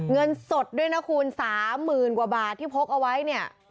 เงินสดด้วยนะคุณ๓๐๐๐กว่าบาทที่พกเอาไว้เนี่ย